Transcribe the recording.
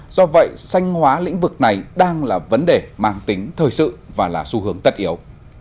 do vậy sanh hóa lĩnh vực này đang là vấn đề mang tính thời sự và là xu hướng tất yếu